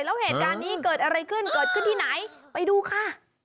แล้วเหตุการณ์นี้เกิดอะไรขึ้นเกิดขึ้นที่ไหนไปดูค่ะ